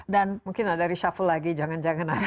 dan mungkin ada reshuffle lagi jangan jangan